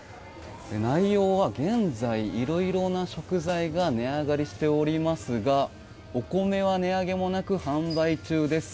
内容は現在、いろいろな食材が値上がりしておりますがお米は値上げもなく販売中です。